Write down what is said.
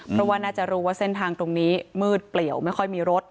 เพราะว่าน่าจะรู้ว่าเส้นทางตรงนี้มืดเปลี่ยวไม่ค่อยมีรถ